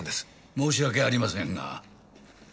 申し訳ありませんが。